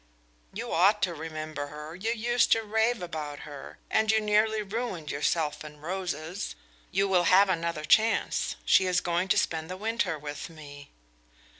"You ought to remember her. You used to rave about her, and you nearly ruined yourself in roses. You will have another chance; she is going to spend the winter with me."